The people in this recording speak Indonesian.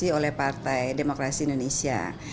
itu yang dilakukan oleh partai demokrasi indonesia